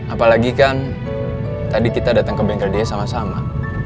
apalagi kan tadi kita datang ke bengkel dia sama sama